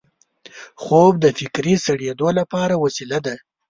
خوب د فکري سړېدو لپاره وسیله ده